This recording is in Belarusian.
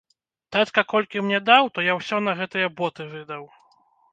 Татка мне колькі даў, то я ўсе на гэтыя боты выдаў.